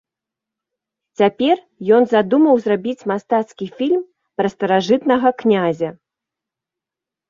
Цяпер ён задумаў зрабіць мастацкі фільм пра старажытнага князя.